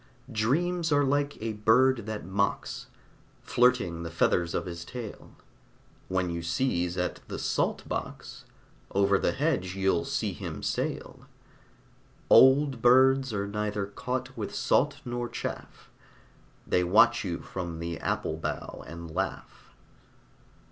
Dreams are like a bird that mocks, Flirting the feathers of his tail. When you seize at the salt box, Over the hedge you'll see him sail. Old birds are neither caught with salt nor chaff: They watch you from the apple bough and laugh.